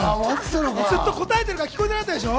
ずっと答えてるから聞こえなかったでしょ？